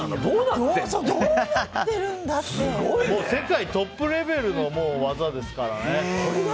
世界トップレベルの技ですからね。